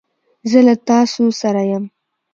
زه له تاسو سره یم.